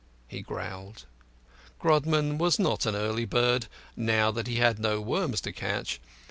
he growled. Grodman was not an early bird, now that he had no worms to catch.